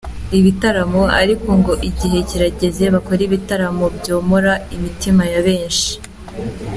ibitaramo, ariko ngo igihe kirageze bakore ibitaramo byomora imitima ya benshi.